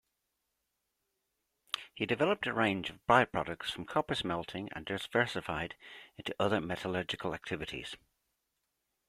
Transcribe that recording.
He developed a range of by-products from copper-smelting and diversified into other metallurgical activities.